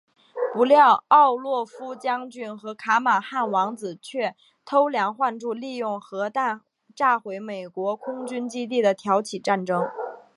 不料奥洛夫将军和卡马汉王子却偷梁换柱利用核弹炸毁美国空军基地挑起战争。